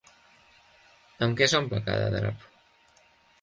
Amb què s'omple cada drap?